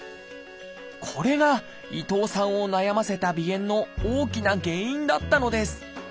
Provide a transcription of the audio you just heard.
これが伊藤さんを悩ませた鼻炎の大きな原因だったのです。